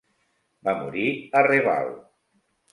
Va morir a Reval.